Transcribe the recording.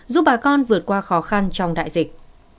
giúp bà con vượt qua khó khăn trong đại dịch